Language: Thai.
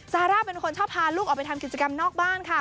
ซาร่าเป็นคนชอบพาลูกออกไปทำกิจกรรมนอกบ้านค่ะ